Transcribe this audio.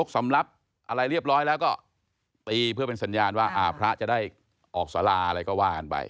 สำหรับอะไรเรียบร้อยแล้วก็ตีเพื่อเป็นสัญญาณว่าพระจะได้ออกสาราอะไรก็ว่ากันไป